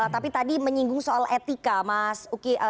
tapi tadi menyinggung soal etika mas uki